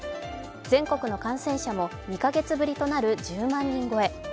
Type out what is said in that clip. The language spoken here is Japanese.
全国の感染者も２か月ぶりとなる１０万人超え。